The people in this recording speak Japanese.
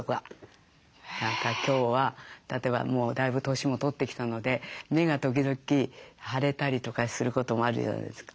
何か今日は例えばもうだいぶ年も取ってきたので目が時々腫れたりとかすることがあるじゃないですか。